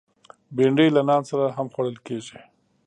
بېنډۍ له نان سره هم خوړل کېږي